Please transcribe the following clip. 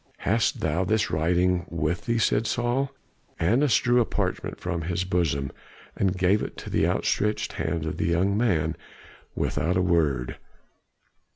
"Hast thou this writing with thee?" said Saul. Annas drew a parchment from his bosom and gave it into the outstretched hand of the young man without a word.